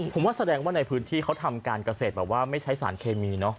ผมว่าแสดงว่าในพื้นที่เขาทำการเกษตรแบบว่าไม่ใช้สารเคมีเนอะ